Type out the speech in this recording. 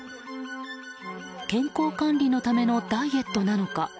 健康管理のためのダイエットなのか。